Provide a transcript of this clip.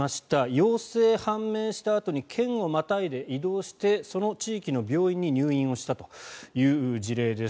陽性判明したあとに県をまたいで移動してその地域の病院に入院したという事例です。